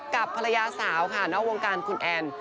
กับภรรยาสาวคุณแอน